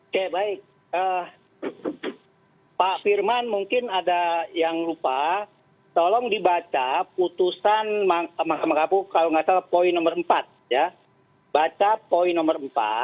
oke baik pak firman mungkin ada yang lupa tolong dibaca putusan kalau nggak salah poin nomor empat ya baca poin nomor empat